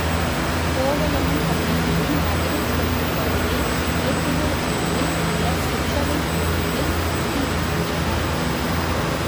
கோவலனும் கண்ணகியும் மதுரை செல்லும் வழியில் வேட்டுவர் ஊரில் உள்ள கொற்றவை கோயிலில் தங்கியிருக்கின்றனர்.